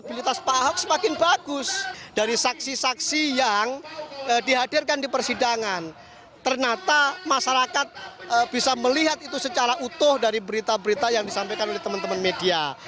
bisa melihat itu secara utuh dari berita berita yang disampaikan oleh teman teman media